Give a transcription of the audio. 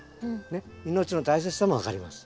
ねっ命の大切さも分かります。